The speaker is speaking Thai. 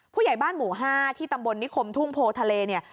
ผู้ใหญ่บ้านหมู่๕ที่ตำบลนิคมทุ่งโพทะเลเนี่ย